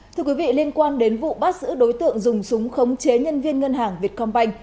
thưa quý vị liên quan đến vụ bắt giữ đối tượng dùng súng khống chế nhân viên ngân hàng vietcombank